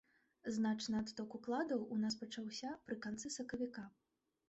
Значны адток укладаў у нас пачаўся пры канцы сакавіка.